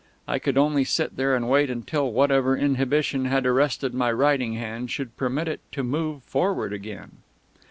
I could only sit there and wait until whatever inhibition had arrested my writing hand should permit it to move forward again.